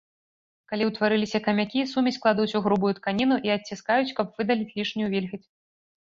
Калі ўтварыліся камякі, сумесь кладуць у грубую тканіну і адціскаюць, каб выдаліць лішнюю вільгаць.